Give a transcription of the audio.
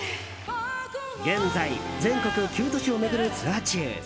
現在、全国９都市を巡るツアー中。